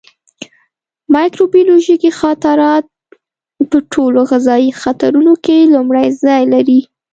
مایکروبیولوژیکي خطرات په ټولو غذایي خطرونو کې لومړی ځای لري.